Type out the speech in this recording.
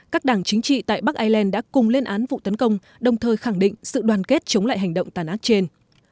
các đảng chính trị tại bắc ireland đã cùng lên án vụ tấn công đồng thời khẳng định sự đoàn kết chống lại hành động tàn ác trên